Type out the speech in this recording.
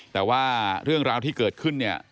แต่ว่าเรื่องราวที่เกิดขึ้นเนี่ย